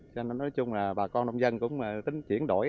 cho nên nói chung là bà con nông dân cũng tính chuyển đổi